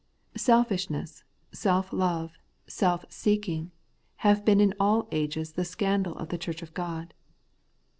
Selfishness, self love, self seeking, have been in aU ages the scandal of the church of God.